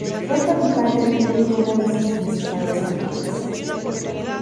Fue capitán del club y una de sus principales figuras.